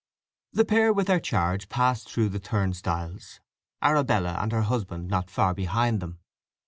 The pair with their charge passed through the turnstiles, Arabella and her husband not far behind them.